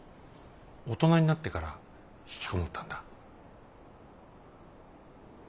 大人になってからひきこもったんだ。